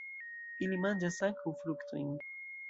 Ili manĝas ankaŭ fruktojn.